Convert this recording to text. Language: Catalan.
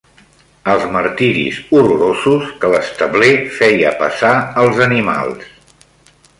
Els martiris horrorosos que l'establer feia passar als animals.